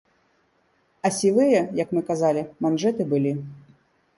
А сівыя, як мы казалі, манжэты былі.